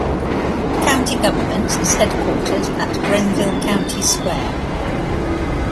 County government is headquartered at Greenville County Square.